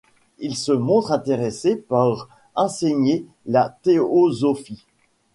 Il se montre intéressé pour enseigner la théosophie.